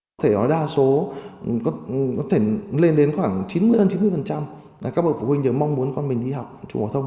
có thể nói đa số có thể lên đến khoảng hơn chín mươi các bậc phụ huynh chỉ mong muốn con mình đi học trung học phổ thông